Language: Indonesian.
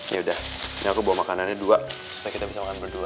ya udah ini aku bawa makanannya dua supaya kita bisa makan berdua